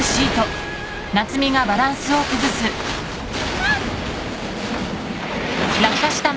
あっ！